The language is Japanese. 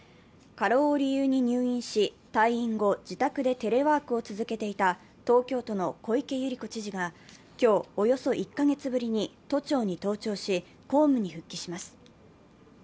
過労を理由に入院し、退院後、自宅でテレワークを続けていた東京都の小池百合子知事が今日、およそ１カ月ぶりに都庁に登庁し、公務に復帰します。